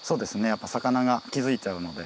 やっぱ魚が気付いちゃうので。